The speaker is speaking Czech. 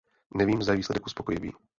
Nevím, zda je výsledek uspokojivý.